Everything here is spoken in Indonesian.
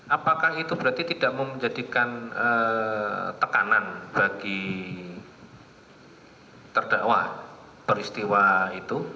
apakah itu berarti tidak mau menjadikan tekanan bagi terdakwa peristiwa itu